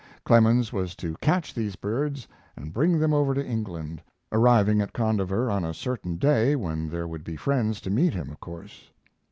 Clemens was to catch these birds and bring them over to England, arriving at Condover on a certain day, when there would be friends to meet him, of course.